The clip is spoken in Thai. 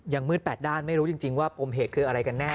มืดแปดด้านไม่รู้จริงว่าปมเหตุคืออะไรกันแน่